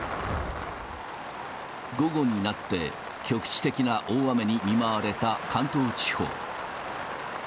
午後になって、局地的な大雨に見舞われた関東地方。